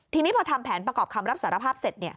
ทีนี้พอทำแผนประกอบคำรับสารภาพเสร็จ